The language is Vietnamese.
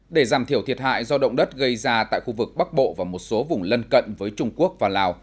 để giảm thiểu thiệt hại do động đất gây ra tại khu vực bắc bộ và một số vùng lân cận với trung quốc và lào